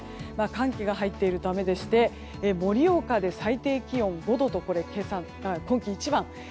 寒気が入っているためでして盛岡で最低気温５度とこれ、今季一番。